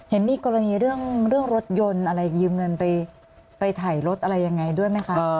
เห็นมีกรณีเรื่องรถยนต์อะไรยืมเงินไปถ่ายรถอะไรยังไงด้วยไหมคะ